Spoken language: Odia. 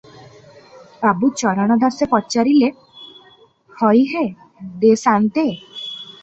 ବାବୁ ଚରଣ ଦାସେ ପଚାରିଲେ, "ହୋଇ ହେ ଦେ ସାନ୍ତେ ।